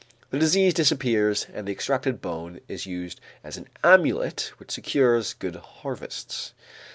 The disease disappears, and the extracted bone is used as an amulet which secures good harvests.